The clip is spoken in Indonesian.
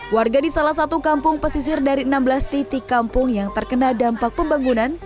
warga di salah satu kampung pesisir dari enam belas titik kampung yang terkena dampak pembangunan